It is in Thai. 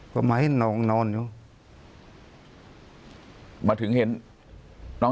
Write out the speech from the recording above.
คุณจำนงก็มาเห็นนอน